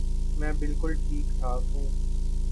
میں بالکل ٹھیک ٹھاک ہوں